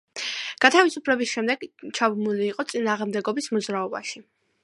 გათავისუფლების შემდეგ ჩაბმული იყო წინააღმდეგობის მოძრაობაში.